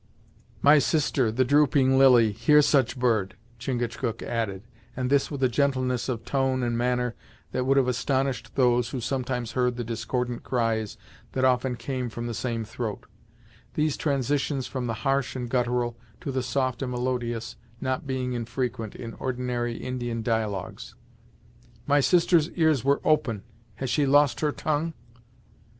"My sister, the Drooping Lily, hear such bird!" Chingachgook added, and this with a gentleness of tone and manner that would have astonished those who sometimes heard the discordant cries that often came from the same throat; these transitions from the harsh and guttural, to the soft and melodious not being infrequent in ordinary Indian dialogues. "My sister's ears were open has she lost her tongue?"